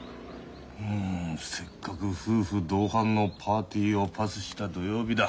うんせっかく夫婦同伴のパーティーをパスした土曜日だ